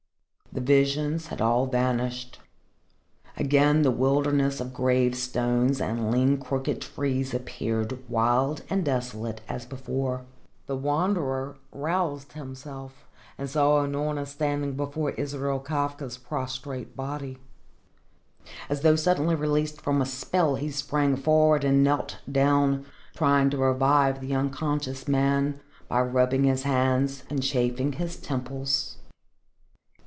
The visions had all vanished. Again the wilderness of gravestones and lean, crooked trees appeared, wild and desolate as before. The Wanderer roused himself and saw Unorna standing before Israel Kafka's prostrate body. As though suddenly released from a spell he sprang forward and knelt down, trying to revive the unconscious man by rubbing his hands and chafing his temples.